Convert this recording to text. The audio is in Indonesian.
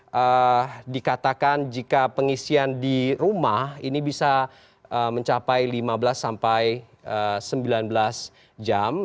kemudian dikatakan jika pengisian di rumah ini bisa mencapai lima belas sampai sembilan belas jam